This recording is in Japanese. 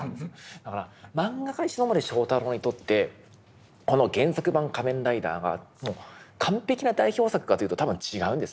萬画家石森章太郎にとってこの原作版「仮面ライダー」は完璧な代表作かというと多分違うんですね。